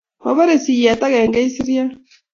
Maborei siyeet agenge kisiria